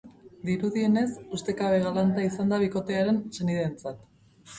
Dirudienez, ustekabe galanta izan da bikotearen senideentzat.